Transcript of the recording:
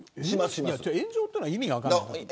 炎上っていう意味が分からない。